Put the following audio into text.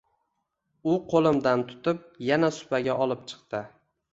U qo‘limdan tutib yana supaga olib chiqdi.